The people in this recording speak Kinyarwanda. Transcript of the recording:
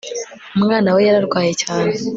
umwana we yararwaye cyane